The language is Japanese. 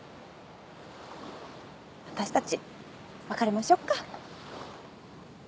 私たち別れましょっか。